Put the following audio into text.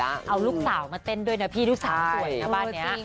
แล้วก็มีฟีดกับนักร้องบางท่านค่ะ